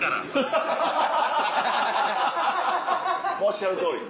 おっしゃるとおり！